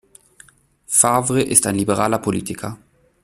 Favre ist ein liberaler Politiker.